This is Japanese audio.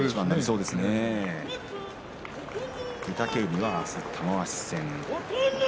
御嶽海は明日、玉鷲戦。